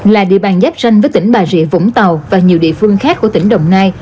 là địa bàn giáp ranh với tỉnh bà rịa vũng tàu và nhiều địa phương khác của tỉnh đồng nai